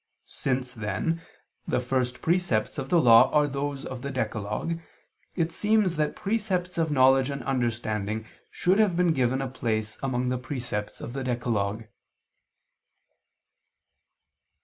Since, then, the first precepts of the Law are those of the decalogue, it seems that precepts of knowledge and understanding should have been given a place among the precepts of the decalogue.